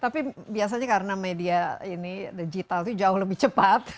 tapi biasanya karena media ini digital itu jauh lebih cepat